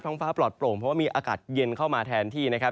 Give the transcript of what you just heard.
ห้องฟ้าปลอดโปร่งเพราะว่ามีอากาศเย็นเข้ามาแทนที่นะครับ